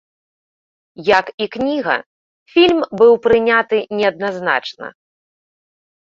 Як і кніга, фільм быў прыняты неадназначна.